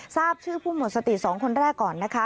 ทราบชื่อผู้หมดสติ๒คนแรกก่อนนะคะ